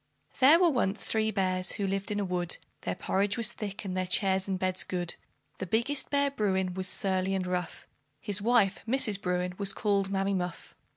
There were once three bears, who lived in a wood, Their porridge was thick, and their chairs and beds good. The biggest bear, Bruin, was surly and rough; His wife, Mrs. Bruin, was called Mammy Muff.